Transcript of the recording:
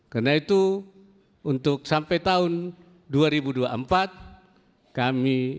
karena itu untuk sampai tahun dua ribu dua puluh empat kami